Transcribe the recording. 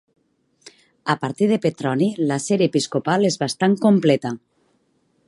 A partir de Petroni la sèrie episcopal és bastant completa.